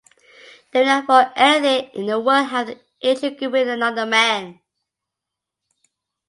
They would not for anything in the world have an intrigue with another man.